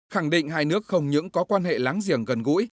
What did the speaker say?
khẳng định hai nước không những có quan hệ láng giềng gần gũi